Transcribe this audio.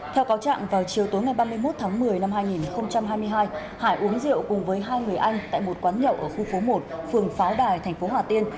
theo cáo trạng vào chiều tối ngày ba mươi một tháng một mươi năm hai nghìn hai mươi hai hải uống rượu cùng với hai người anh tại một quán nhậu ở khu phố một phường pháo đài thành phố hà tiên